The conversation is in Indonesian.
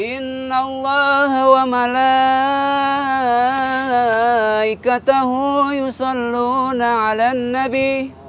inna allah wa malaikatahu yusalluna ala nabi